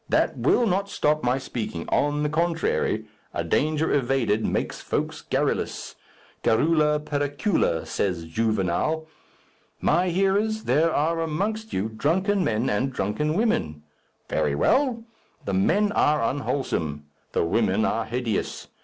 That will not stop my speaking; on the contrary, a danger evaded makes folks garrulous. Garrula pericula, says Juvenal. My hearers! there are amongst you drunken men and drunken women. Very well. The men are unwholesome. The women are hideous.